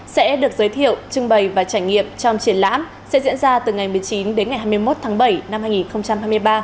sẽ được giới thiệu trưng bày và trải nghiệm trong triển lãm sẽ diễn ra từ ngày một mươi chín đến ngày hai mươi một tháng bảy năm hai nghìn hai mươi ba